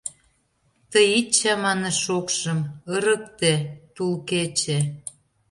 Тый ит чамане шокшым: ырыкте, тул кече.